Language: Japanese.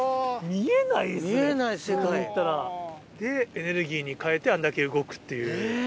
見えない世界。でエネルギーに変えてあんだけ動くっていう。